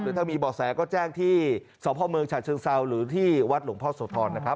ถ้ามีบ่อแสก็แจ้งที่สพเมืองฉะเชิงเซาหรือที่วัดหลวงพ่อโสธรนะครับ